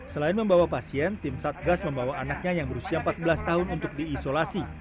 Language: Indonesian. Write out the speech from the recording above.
selain membawa pasien tim satgas membawa anaknya yang berusia empat belas tahun untuk diisolasi